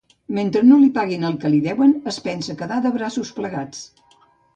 Mentre no li paguin el que li deuen es pensa quedar de braços plegats.